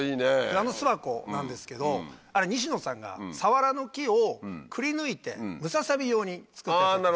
あの巣箱なんですけどあれ西野さんがサワラの木をくりぬいてムササビ用に作ってくれました。